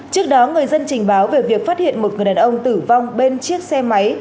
trước đó người dân trình báo về việc phát hiện một người đàn ông tử vong bên chiếc xe máy